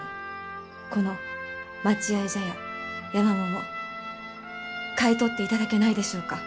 この待合茶屋山桃買い取っていただけないでしょうか？